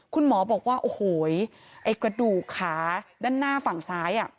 คุณหมอบอกว่าโอ้โหไอ้กระดูกขาด้านหน้าฝั่งซ้าย